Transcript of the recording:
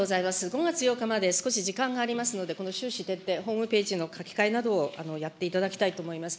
５月８日まで、少し時間がありますので、この徹底、ホームページの書き換えなどをやっていただきたいと思います。